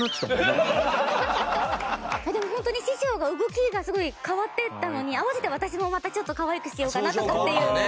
でもホントに師匠が動きが変わっていったのに合わせて私もまたちょっとかわいくしようかなとかっていう。